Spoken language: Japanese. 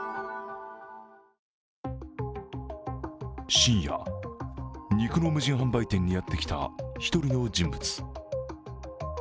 深夜、肉の無人販売店にやってきた１人の人物。